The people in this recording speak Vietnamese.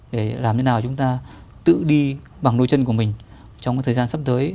để làm thế nào chúng ta tự đi bằng đôi chân của mình trong cái thời gian sắp tới